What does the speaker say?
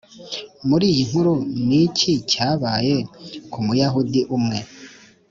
Muri iyi nkuru ni iki cyabaye ku Muyahudi umwe